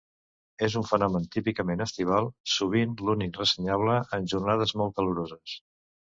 És un fenomen típicament estival sovint l’únic ressenyable en jornades molt caloroses.